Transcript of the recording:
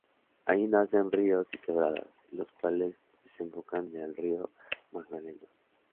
Allí nacen ríos y quebradas, los cuales desembocan en el Río Magdalena.